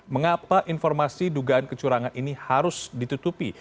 mengapa informasi dugaan kecurangan ini harus ditutupi